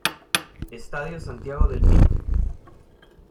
Estadio Santiago del Pino